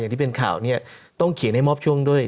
อย่างที่เป็นข่าวนี้ต้องเขียนมอบช่วงด้วย